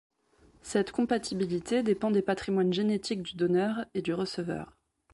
Cette compatibilité dépend des patrimoines génétiques du donneur et du receveur.